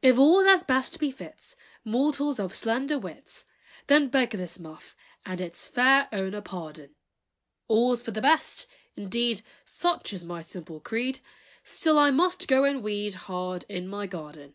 If all's as best befits Mortals of slender wits, Then beg this Muff, and its Fair owner pardon; All's for the best, indeed, Such is my simple creed; Still I must go and weed Hard in my garden.